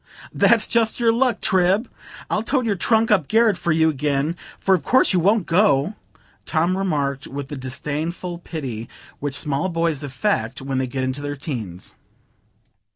"That's just your luck, Trib. I'll tote your trunk up garret for you again; for of course you won't go," Tom remarked, with the disdainful pity which small boys affect when they get into their teens.